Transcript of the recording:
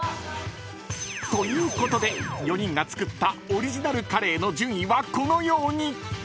［ということで４人が作ったオリジナルカレーの順位はこのように］